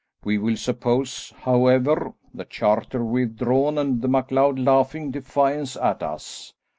We will suppose, however, the charter withdrawn and the MacLeod laughing defiance at us.